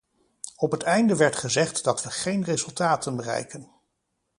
Op het einde werd gezegd dat we geen resultaten bereiken.